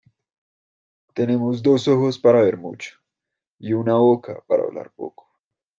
Tenemos dos ojos para ver mucho y una boca para hablar poco.